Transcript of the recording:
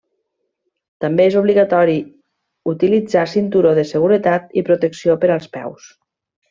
També és obligatori utilitzar cinturó de seguretat i protecció per als peus.